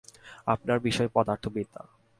আপনার বিষয় পদার্থবিদ্যা।